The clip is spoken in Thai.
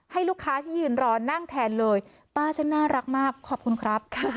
ให้ลูกค้าที่ยืนรอนั่งแทนเลยป้าฉันน่ารักมากขอบคุณครับ